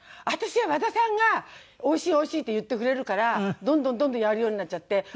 私は和田さんがおいしいおいしいって言ってくれるからどんどんどんどんやるようになっちゃって。